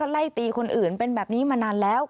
ไล่ตีคนอื่นเป็นแบบนี้มานานแล้ว